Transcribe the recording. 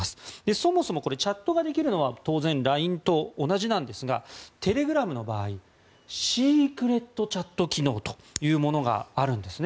そもそもチャットができるのは当然ＬＩＮＥと同じなんですがテレグラムの場合シークレットチャット機能というものがあるんですね。